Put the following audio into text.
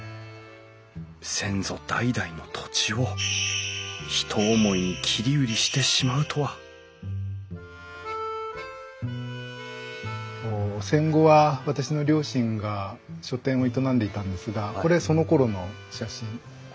先祖代々の土地をひと思いに切り売りしてしまうとは戦後は私の両親が書店を営んでいたんですがこれそのころの写真この場所。